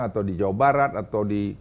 atau di jawa barat atau di